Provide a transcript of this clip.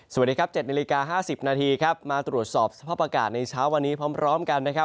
สวัสดีครับ๗นาฬิกา๕๐นาทีครับมาตรวจสอบสภาพอากาศในเช้าวันนี้พร้อมกันนะครับ